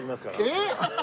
えっ？